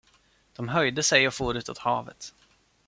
De höjde sig och for utåt havet.